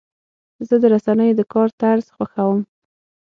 زه د رسنیو د کار طرز خوښوم.